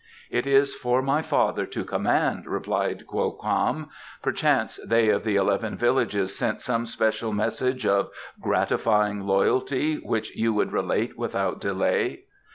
"It is for my father to command," replied Kwo Kam. "Perchance they of the eleven villages sent some special message of gratifying loyalty which you would relate without delay?"